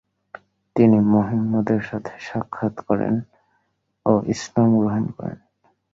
তিনি মুহাম্মদ এর সাথে সাক্ষাত করেন ও ইসলাম গ্রহণ করেন।